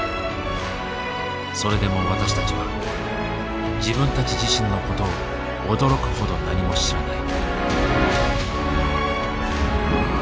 それでも私たちは自分たち自身のことを驚くほど何も知らない。